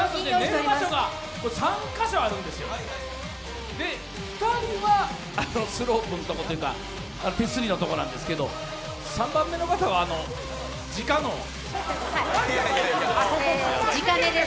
３カ所あるんですよ、２人はスロープのとこというか手すりのところなんですが３番目の方は、じかのじか寝です。